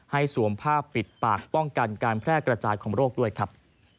สวมผ้าปิดปากป้องกันการแพร่กระจายของโรคด้วยครับ